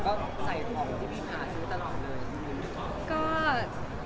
แต่ใส่ของที่พี่พารู้ตลอดเลย